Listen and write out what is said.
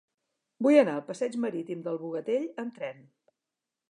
Vull anar al passeig Marítim del Bogatell amb tren.